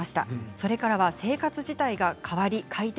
それからは生活自体が変わり快適。